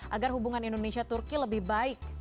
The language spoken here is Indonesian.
agar hubungan indonesia turki lebih baik